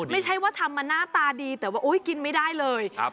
ไม่ใช่ว่าทำมาหน้าตาดีแต่ว่ากินไม่ได้เลย